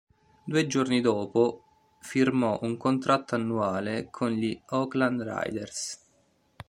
Due giorni dopo firmò un contratto annuale con gli Oakland Raiders.